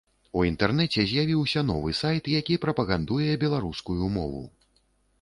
У інтэрнэце з'явіўся новы сайт, які прапагандуе беларускую мову.